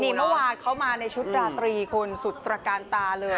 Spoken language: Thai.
นี่เมื่อวานเขามาในชุดราตรีคุณสุดตระการตาเลย